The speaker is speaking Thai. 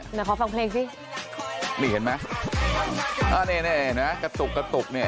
เดี๋ยวเขาฟังเพลงสินี่เห็นมั้ยอ่านี่นี่เห็นมั้ยกระตุกกระตุกนี่